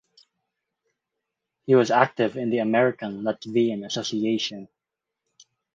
He was active in the American Latvian Association.